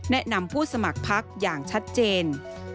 แนะนำผู้สมัครพักอย่างชัดเจน